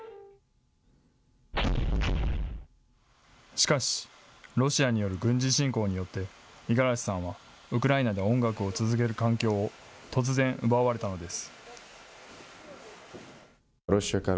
しかしロシアによる軍事侵攻によって五十嵐さんはウクライナで音楽を続ける環境を突然、奪われたのです。